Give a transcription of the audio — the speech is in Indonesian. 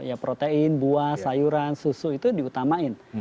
ya protein buah sayuran susu itu diutamain